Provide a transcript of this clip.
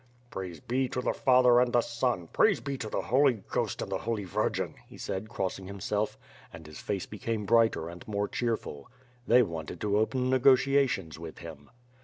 "Praise be to the Father and the Son, praise be to the Holy Ghost and the Holy Virgin," he said crossing himself. And his face became brighter and more cheerful. They wanted to open negotiations with him.